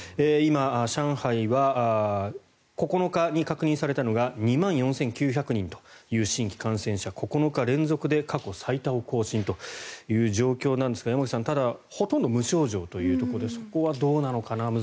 今、上海は９日に確認されたのが２万４９００人という新規感染者９日連続で過去最多更新という状況なんですが山口さん、ただほとんど無症状ということでそこはどうなのかな